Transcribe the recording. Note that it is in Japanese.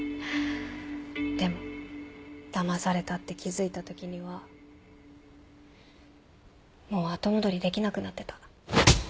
でもだまされたって気付いたときにはもう後戻りできなくなってた。